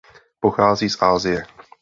Pochází z Asie.